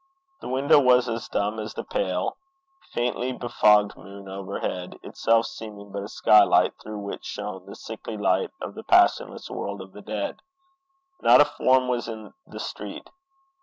The window was as dumb as the pale, faintly befogged moon overhead, itself seeming but a skylight through which shone the sickly light of the passionless world of the dead. Not a form was in the street.